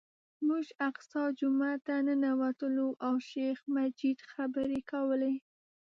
موږ الاقصی جومات ته ننوتلو او شیخ مجید خبرې کولې.